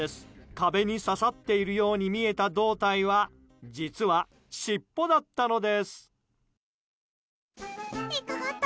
壁に刺さっているように見えた胴体は、実は尻尾だったのです。